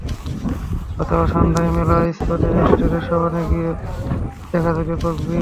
গতকাল সন্ধ্যায় মেলার সিম্ফনির স্টলের সামনে গিয়ে দেখা যায় ব্যাপক ভিড়।